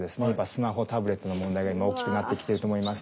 スマホタブレットの問題が今大きくなってきてると思います。